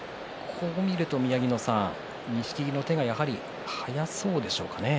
こう見ると、宮城野さん錦木の手が速そうでしょうかね。